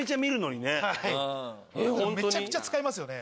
めちゃくちゃ使いますよね。